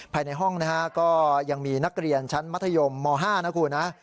ภายในห้องนะฮะก็ยังมีนักเรียนชั้นมัธยมม๕นะคุณนะ